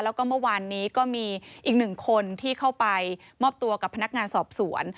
แล้วก็เมื่อวานนี้ก็มีอีกหนึ่งคนที่เข้าไปมอบตัวกับพนักงานสอบสวน